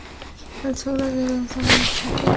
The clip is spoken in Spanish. Era suegro de Eduardo Zaplana.